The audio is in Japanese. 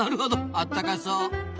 あったかそう。